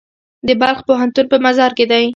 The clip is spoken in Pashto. د بلخ پوهنتون په مزار کې دی